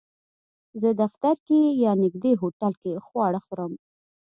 زه دفتر کې یا نږدې هوټل کې خواړه خورم